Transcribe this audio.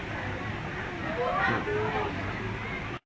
ทุกวันใหม่ทุกวันใหม่